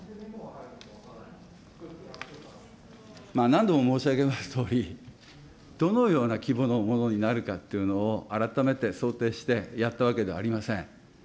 何度も申し上げますとおり、どのような規模のものになるかっていうのを改めて想定してやったわけではありません。